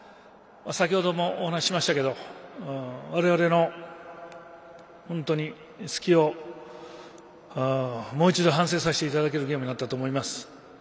先ほどもお話しましたけど我々の隙をもう一度反省させていただけるゲームになったと思います。